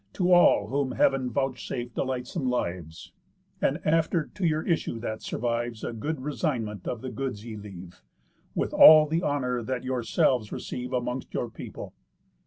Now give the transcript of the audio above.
To all whom heav'n vouchsafe delightsome lives, And after to your issue that survives A good resignment of the goods ye leave, With all the honour that yourselves receive Amongst your people.